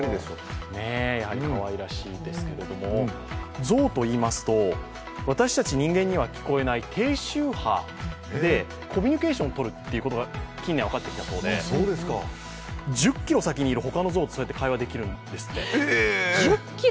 かわいらしいですけども、ゾウといいますと私たちには聞こえない低周波でコミュニケーションをとるって近年分かってきたそうで１０ｋｍ先にいるほかのゾウと会話できるんですって。